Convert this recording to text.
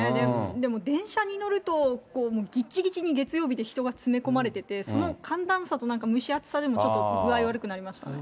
でも電車に乗ると、ぎっちぎちに月曜日で人が詰め込まれてて、その寒暖差と蒸し暑さでも具合悪くなりましたね。